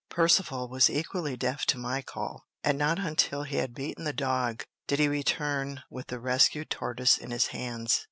Percivale was equally deaf to my call, and not until he had beaten the dog did he return with the rescued tortoise in his hands.